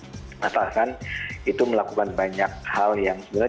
ditempatkan itu melakukan banyak hal yang tidak pantas ya